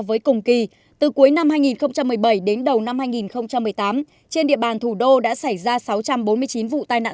với cùng kỳ từ cuối năm hai nghìn một mươi bảy đến đầu năm hai nghìn một mươi tám trên địa bàn thủ đô đã xảy ra sáu trăm bốn mươi chín vụ tai nạn